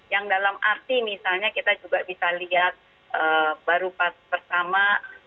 yang dalam arti misalnya kita juga bisa lihat baru pertama